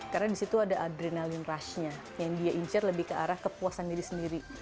karena di situ ada adrenalin rush nya yang dia incer lebih ke arah kepuasan diri sendiri